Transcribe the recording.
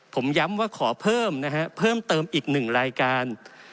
ผมย้ำว่าขอเพิ่มนะฮะเพิ่มเติมอีกหนึ่งรายการ